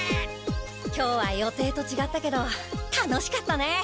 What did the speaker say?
今日は予定とちがったけど楽しかったね。